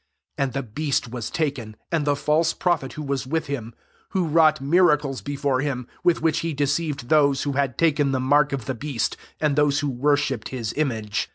20 And the beast was taken, and the false prophet who was with him, who wrought miracles before him, with which he deceived those who had taken the mark of the beast, and those who worshipped his image.